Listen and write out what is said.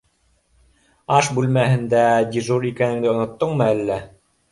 Аш бүлмәһендә дежур икәнеңде оноттоңмо әллә.